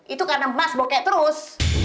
itu karena mas bokek terus